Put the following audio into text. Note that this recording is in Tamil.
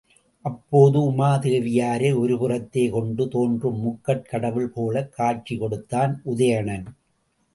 அப்போது உமாதேவியாரை ஒரு புறத்தே கொண்டு தோன்றும் முக்கட் கடவுள் போல்க் காட்சி கொடுத்தான் உதயணன்.